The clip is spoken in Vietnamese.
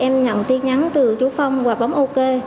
em nhận tin nhắn từ chú phong và bóng ok